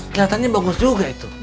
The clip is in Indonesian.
keliatannya bagus juga itu